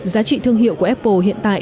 giá trị thương hiệu của apple hiện tại